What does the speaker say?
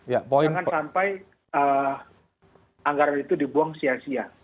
jangan sampai anggaran itu dibuang sia sia